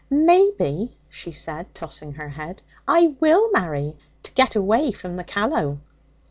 'Maybe,' she said tossing her head, 'I will marry, to get away from the Callow.'